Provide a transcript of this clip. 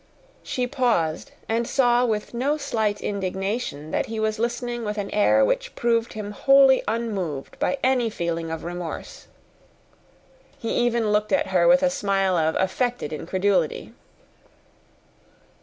She paused, and saw with no slight indignation that he was listening with an air which proved him wholly unmoved by any feeling of remorse. He even looked at her with a smile of affected incredulity.